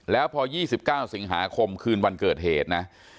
แล้วพอ๒๙สิงหาคมคืนวันเกิดเหตุนะ